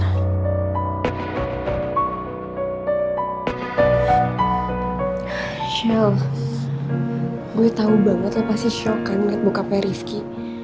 michelle gue tau banget lo pasti shock kan liat bokapnya rifki